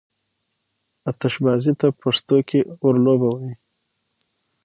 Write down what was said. آتشبازي ته په پښتو کې اورلوبه وايي.